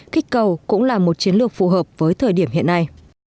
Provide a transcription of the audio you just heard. kích cầu cũng là một chiến lược phù hợp với thời điểm hiện nay